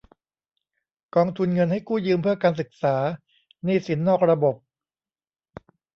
กองทุนเงินให้กู้ยืมเพื่อการศึกษา หนี้สินนอกระบบ